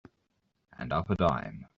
And up a dime.